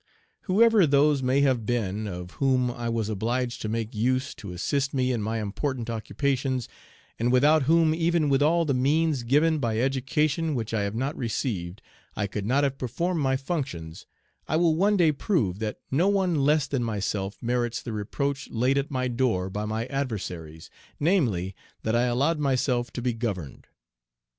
"Whoever those may have been of whom I was obliged to make use to assist me in my important occupations, and without whom even with all the means given by education which I have not received, I could not have performed my functions, I will one day prove that no one less than myself merits the reproach laid at my door by my adversaries, namely, that I allowed myself to be governed.